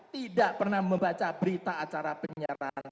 tidak pernah membaca berita acara penyerahan